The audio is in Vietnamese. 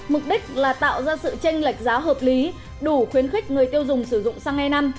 mục đích là tạo ra sự tranh lệch giá hợp lý đủ khuyến khích người tiêu dùng sử dụng sang e năm